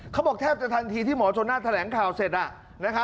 เขาบอกแทบจะทันทีที่หมอชนน่าแถลงข่าวเสร็จ